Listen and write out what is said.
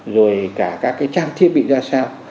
rồi cả các cái trang thiết bị ra sao